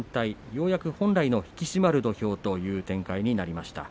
ようやく本来の引き締まる土俵という展開になりました。